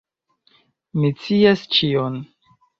Mi scias ĉion.